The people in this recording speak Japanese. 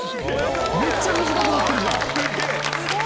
「めっちゃ短くなってるじゃん！」